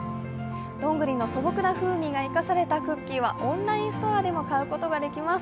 どんぐりの素朴な風味が生かされたクッキーはオンラインストアでも買うことができます。